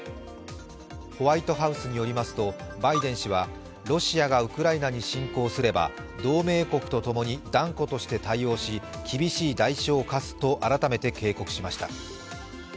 ホワイトハウスによりますとバイデン氏はロシアがウクライナに侵攻すれば同盟国とともに断固として対応し厳しい代償を科すと改めて警告しました。